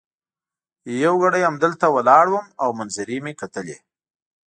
یو ګړی همدلته ولاړ وم او منظرې مي کتلې.